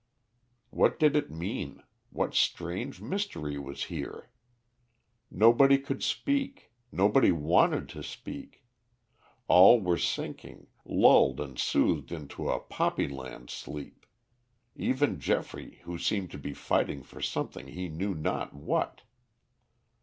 What did it mean, what strange mystery was here? Nobody could speak, nobody wanted to speak; all were sinking, lulled and soothed into a poppyland sleep, even Geoffrey who seemed to be fighting for something he knew not what.